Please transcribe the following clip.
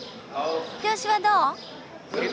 調子はどう？